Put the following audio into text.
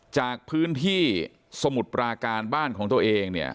จากพื้นที่สมุทรปราการบ้านของตัวเองเนี่ย